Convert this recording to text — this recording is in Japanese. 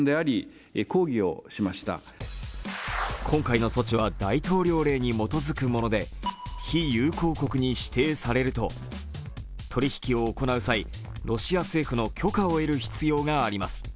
今回の措置は大統領令に基づくもので非友好国に指定されると、取引を行う際、ロシア政府の許可を得る必要があります。